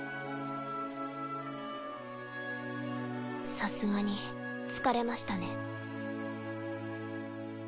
さすがに疲れましたね。